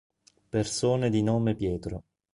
Persone di nome Pietro